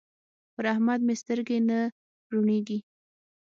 پر احمد مې سترګې نه روڼېږي.